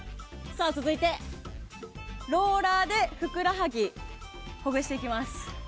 続いて、ローラーでふくらはぎをほぐします。